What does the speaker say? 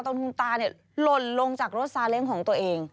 คุณตาหล่นลงจากรถซาเล้งของตัวเอง